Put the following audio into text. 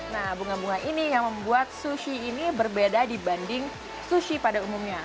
nah bunga bunga ini yang membuat sushi ini berbeda dibanding sushi pada umumnya